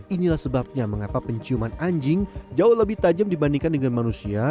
inilah sebabnya mengapa penciuman anjing jauh lebih tajam dibandingkan dengan manusia